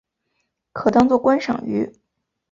可当作观赏鱼。